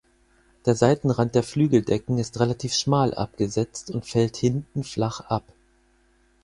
Der Seitenrand der Flügeldecken ist relativ schmal abgesetzt und fällt hinten flach ab.